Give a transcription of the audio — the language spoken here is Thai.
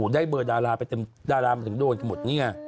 ได้เบอร์ดาราไปเต็มโดนไปหมด